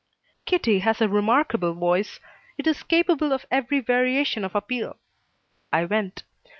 Kitty has a remarkable voice. It is capable of every variation of appeal. I went.